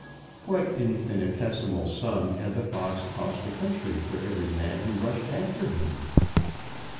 What infinitesimal sum had the fox cost the country for every man who rushed after him?